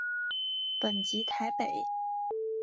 本籍台北。